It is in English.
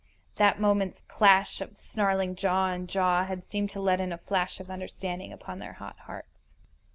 That moment's clash of snarling jaw on jaw had seemed to let in a flash of understanding upon their hot hearts.